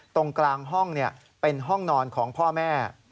ตรงกลางห้องเป็นห้องนอนของพ่อแม่